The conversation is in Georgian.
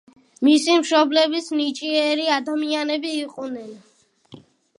მისი მშობლებიც ნიჭიერი ადამიანები იყვნენ.